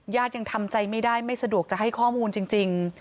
ยังทำใจไม่ได้ไม่สะดวกจะให้ข้อมูลจริง